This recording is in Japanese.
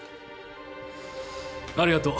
ありがとう。